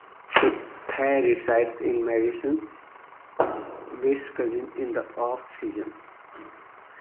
Suter resides in Madison, Wisconsin in the off-season.